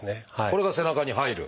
これが背中に入る。